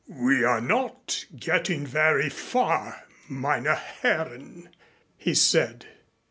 "We are not getting very far, meine Herren," he said.